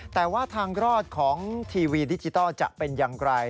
แต่ว่าทางรอดของทีวีดิจิทัลจะเป็นอย่างไร